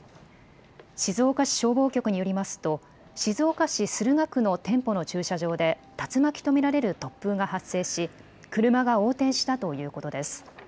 静岡市消防局によりますと静岡市駿河区の店舗の駐車場で竜巻と見られる突風が発生し車が横転したということです。